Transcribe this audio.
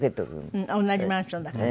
同じマンションだから？